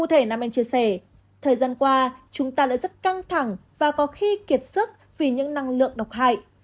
cụ thể nam anh chia sẻ thời gian qua chúng ta lại rất căng thẳng và có khi kiệt sức vì những năng lượng độc hại